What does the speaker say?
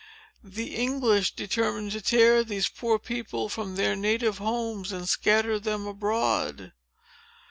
The English determined to tear these poor people from their native homes and scatter them abroad."